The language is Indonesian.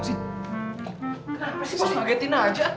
nggak ngagetin aja